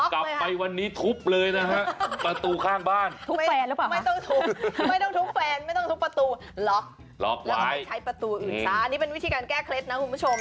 กลับไปวันนี้ทุบเลยนะฮะประตูข้างบ้านไม่ต้องทุบแฟนไม่ต้องทุบประตูล็อคล็อคไว้ใช้ประตูอื่นซ้านี่เป็นวิธีการแก้เคล็ดนะคุณผู้ชม